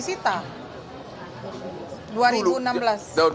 mereka kayak ada harmfulnya audion turn people be like boood